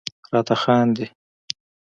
راته خاندي..